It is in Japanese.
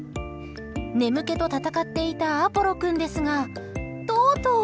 眠気と戦っていたアポロ君ですがとうとう。